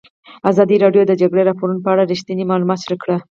ازادي راډیو د د جګړې راپورونه په اړه رښتیني معلومات شریک کړي.